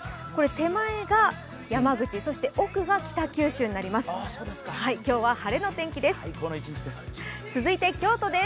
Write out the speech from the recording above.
手前が山口、奥が北九州になります。